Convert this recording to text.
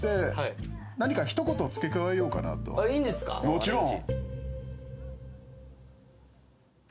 もちろん。